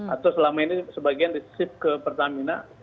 atau selama ini sebagian disip ke pertamina